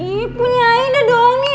ih punya aida dong